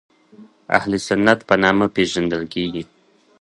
اهل سنت په نامه پېژندل کېږي.